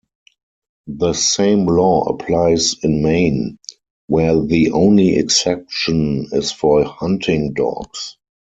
The same law applies in Maine, where the only exception is for hunting dogs.